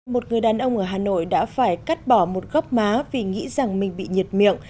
một người đàn ông ở hà nội đã phải cắt bỏ một góc má vì nghĩ rằng mình bị nhiệt miệng